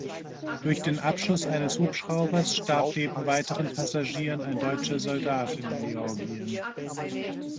Durch den Abschuss eines Hubschraubers starb neben weiteren Passagieren ein deutscher Soldat in Georgien.